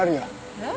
えっ？